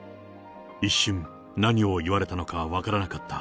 一瞬、何を言われたのか分からなかった。